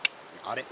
あれ？